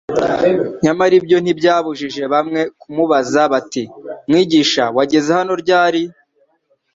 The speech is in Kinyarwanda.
Nyamara ibyo ntibyabujije bamwe kumubaza bati "Mwigisha wageze hano ryari?"